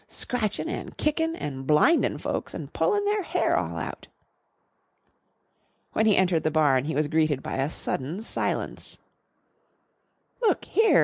Scratchin' an' kickin' and blindin' folks and pullin' their hair all out!" When he entered the barn he was greeted by a sudden silence. "Look here!"